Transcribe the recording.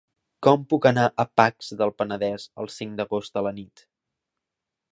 Com puc anar a Pacs del Penedès el cinc d'agost a la nit?